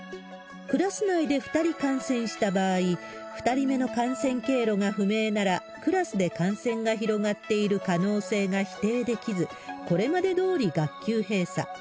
クラス内で２人感染した場合、２人目の感染経路が不明なら、クラスで感染が広がっている可能性が否定できず、これまでどおり学級閉鎖。